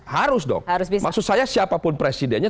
harus dong maksud saya siapapun presidennya